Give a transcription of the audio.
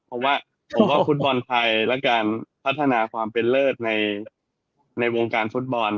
เพราะว่าผมว่าฟุตบอลไทยและการพัฒนาความเป็นเลิศในวงการฟุตบอล